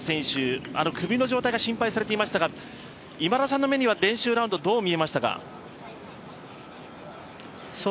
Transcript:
手首の状態が心配されていましたが今田さんの目には練習ラウンドどう見えましたか？